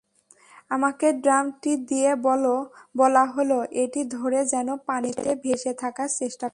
আমাকে ড্রামটি দিয়ে বলা হলো এটি ধরে যেন পানিতে ভেসে থাকার চেষ্টা করি।